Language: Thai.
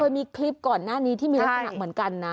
มีคลิปก่อนหน้านี้ที่มีลักษณะเหมือนกันนะ